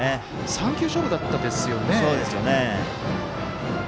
３球勝負だったですよね。